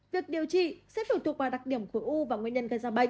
việc điều trị sẽ phụ thuộc vào đặc điểm của u và nguyên nhân gây ra bệnh